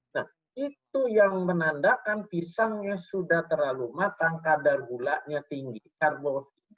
nah itu yang menandakan pisangnya sudah terlalu matang kadar gulanya tinggi karbohidratnya sangat tinggi